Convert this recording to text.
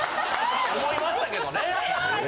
思いましたけどね。